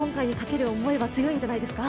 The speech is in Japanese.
今回にかける思いは強いんじゃないですか？